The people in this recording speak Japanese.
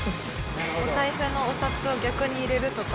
お財布のお札を逆に入れるとか。